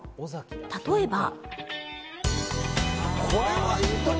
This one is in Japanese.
例えば。